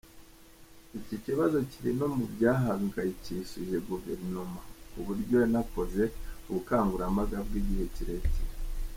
Iki kibazo kiri no mu byahangayikishije Guverinoma, ku buryo yanakoze ubukangurambaga bw’igihe kirekire.